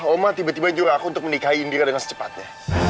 oma tiba tiba juga aku untuk menikahi indira dengan secepatnya